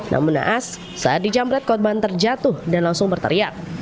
namun naas saat di jamret kotban terjatuh dan langsung berteriak